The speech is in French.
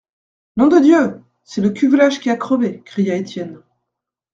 Nom de Dieu ! c'est le cuvelage qui a crevé, cria Étienne.